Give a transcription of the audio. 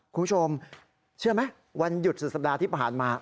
คุณผู้ชมเชื่อไหมวันหยุดสุดสัปดาห์ที่ผ่านมา